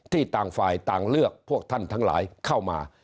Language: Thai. ต่างฝ่ายต่างเลือกพวกท่านทั้งหลายเข้ามา